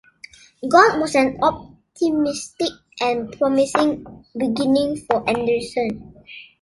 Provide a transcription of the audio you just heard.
God was an optimistic and promising beginning for Andersen.